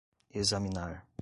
examinar